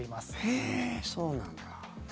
へえ、そうなんだ。